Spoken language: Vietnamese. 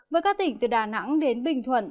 với các tỉnh từ đà nẵng đến bình thuận